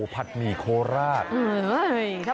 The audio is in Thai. ผัดหมี่โคลา